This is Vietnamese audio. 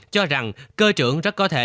cho rằng cơ trưởng rất có thể